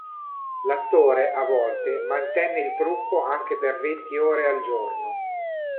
L'attore, a volte, mantenne il trucco anche per venti ore al giorno.